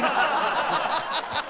ハハハハ！